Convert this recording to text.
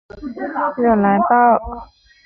热莱巴尔。